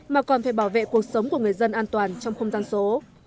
mà còn phải bảo vệ cuộc sống của người dân an toàn trong không gian số